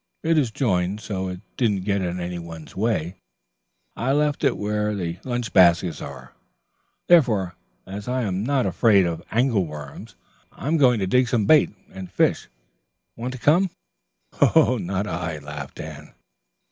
It is jointed, so it didn't get in any one's way. I left it with the lunch baskets. Therefore, as I'm not afraid of angle worms, I'm going to dig some bait and fish. Want to come?" "Not I," laughed Anne.